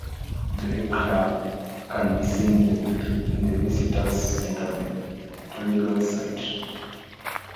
This replica can be seen in the Visitors Centre at the Torrington site.